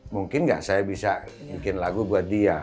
mungkin nggak saya bisa bikin lagu buat dia